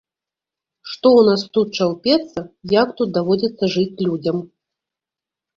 Што ў нас тут чаўпецца, як тут даводзіцца жыць людзям!